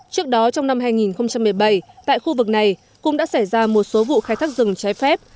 trước đó trong năm hai nghìn một mươi bảy tại khu vực này cũng đã xảy ra một số vụ khai thác rừng trái phép